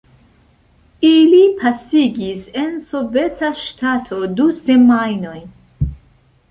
Ili pasigis en soveta ŝtato du semajnojn.